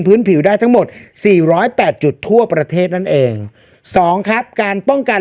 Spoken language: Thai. ผิวได้ทั้งหมดสี่ร้อยแปดจุดทั่วประเทศนั่นเองสองครับการป้องกัน